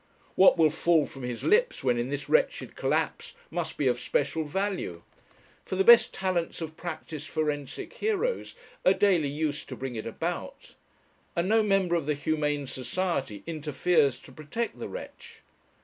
What will fall from his lips when in this wretched collapse must be of special value, for the best talents of practised forensic heroes are daily used to bring it about; and no member of the Humane Society interferes to protect the wretch.